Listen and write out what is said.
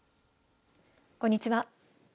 こんにちは。